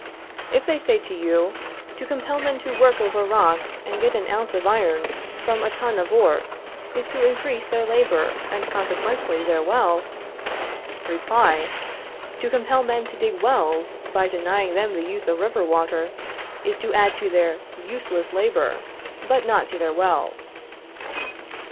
If they say to you: To compel men to work over rocks and get an ounce of iron from a ton of ore, is to increase their labor, and, consequently, their wealth Reply: To compel men to dig wells, by denying them the use of river water, is to add to their useless labor, but not their wealth.